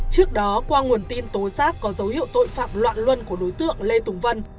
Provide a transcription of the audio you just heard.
trước đó qua nguồn tin tố giác có dấu hiệu tội phạm loạn luân của đối tượng lê tùng vân